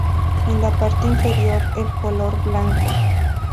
En la parte inferior el color blanco.